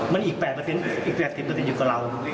มันอีก๘๐อยู่กับเรา